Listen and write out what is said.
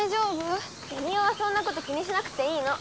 ベニオはそんなこと気にしなくていいの！